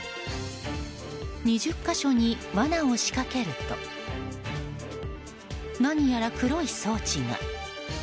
２０か所にわなを仕掛けると何やら黒い装置が。